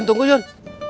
yun tunggu yun